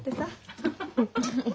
アハハハハ。